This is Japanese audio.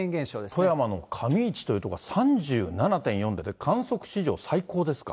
富山の上市という所は、３７．４度で観測史上最高ですか。